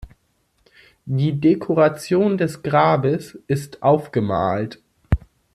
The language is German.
Die Dekoration des Grabes ist aufgemalt.